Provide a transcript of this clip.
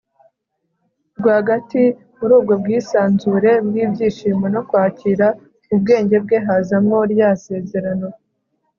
rwagati muri ubwo bwisanzure bw'ibyishimo no kwakira, mu bwenge bwe hazamo rya sezerano